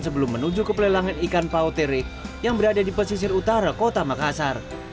sebelum menuju ke pelelangan ikan pautere yang berada di pesisir utara kota makassar